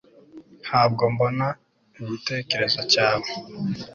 ntabwo mbona igitekerezo cyawe